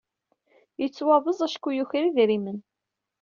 Yettwabeẓ acku yuker idrimen.